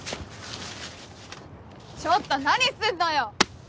ちょっと何すんのよ！